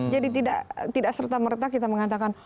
jadi tidak serta merta kita mengatakan